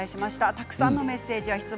たくさんのメッセージや質問